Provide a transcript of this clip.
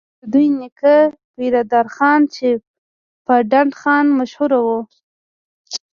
د دوي نيکه پيرداد خان چې پۀ ډنډ خان مشهور وو،